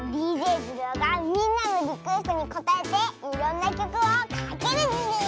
ＤＪズルオがみんなのリクエストにこたえていろんなきょくをかけるズル。